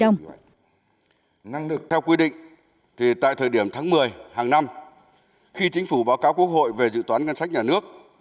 năng lực theo quy định thì tại thời điểm tháng một mươi hàng năm khi chính phủ báo cáo quốc hội về dự toán ngân sách nhà nước